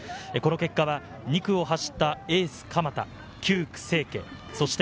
この結果は２区を走ったエース・鎌田、９区・清家。